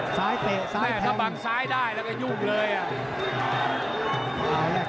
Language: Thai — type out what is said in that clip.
สายเตะสายแผ่น